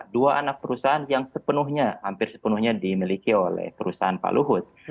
dua anak perusahaan yang sepenuhnya hampir sepenuhnya dimiliki oleh perusahaan pak luhut